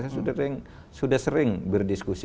saya sudah sering berdiskusi